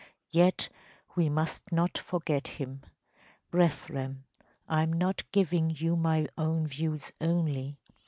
Yet we must not forget him. Brethren, I am not giving you my own views only.